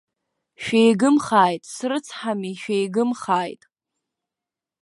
Шәеигымхааит, срыцҳами, шәеигымхааит.